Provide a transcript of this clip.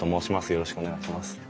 よろしくお願いします。